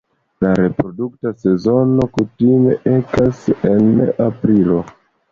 La reprodukta sezono kutime ekas en aprilo.